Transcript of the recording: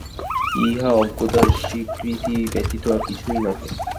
ইহা অজ্ঞতার স্বীকৃতি ব্যতীত আর কিছুই নহে।